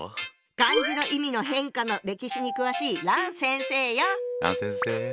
漢字の意味の変化の歴史に詳しい欒先生。